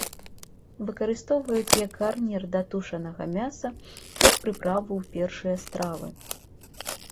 Выкарыстоўваюць як гарнір да тушанага мяса, як прыправу ў першыя стравы.